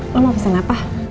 lu mau pesen apa